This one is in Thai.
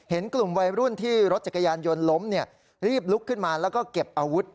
เห็นกลุ่มวัยรุ่นที่รถจักรยานยนต์ล้มรีบลุกขึ้นมาแล้วก็เก็บอาวุธ